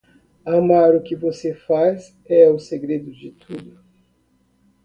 Amar o que você faz é o segredo de tudo.